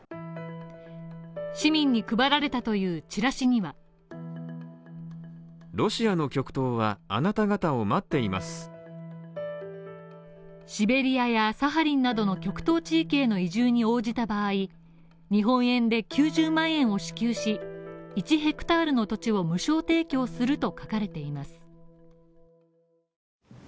市民に配られたというチラシにはシベリアやサハリンなどの極東地域の移住に応じた場合日本円で９０万円を支給し、１ｈａの土地を無償提供すると書かれています。